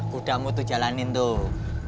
kudamu tuh jalanin tuh